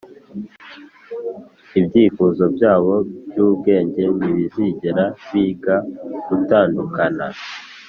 ibyifuzo byabo byubwenge ntibizigera biga gutandukana;